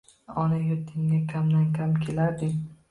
Ona yurtingga kamdan-kam kelarding